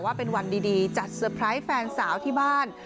ว่าเป็นวันดีจัดเตอร์ไพรส์แฟนสาวที่บ้าน